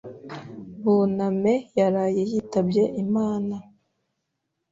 Buname yaraye yitabye Imana.